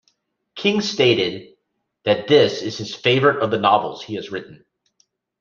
King stated that this is his favorite of the novels he has written.